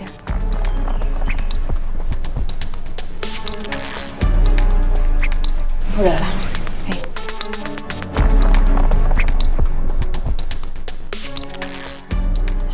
udah lah hei